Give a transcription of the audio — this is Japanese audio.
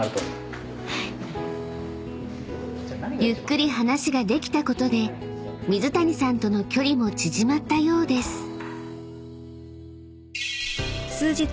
［ゆっくり話ができたことで水谷さんとの距離も縮まったようです］